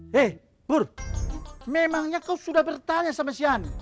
hei bur memangnya kau sudah bertanya sama sian